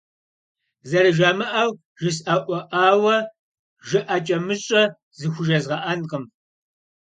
Зэрыжамыӏэу жысӏэӏуэӏауэ жыӏэкӏэмыщӏэ зыхужезгъэӏэнкъым.